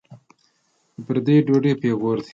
د پردیو ډوډۍ پېغور لري.